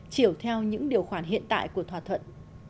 chiều theo những điều khoản hiện tại của thỏa thuận